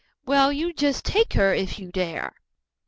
"Well, you just take her, if you dare."